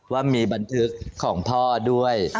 ว่ามีบันทึกของพ่อด้วย